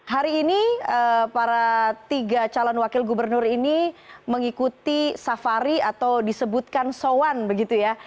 hari ini para tiga calon wakil gubernur ini mengikuti safari atau disebutkan soan begitu ya